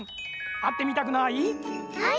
あってみたくない？